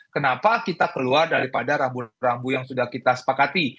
kenapa kita keluar daripada rambu rambu yang sudah kita sepakati